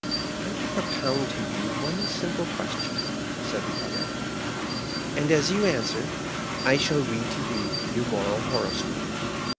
"I will propound to you one simple question," said the other; "and as you answer, I shall read to you your moral horoscope.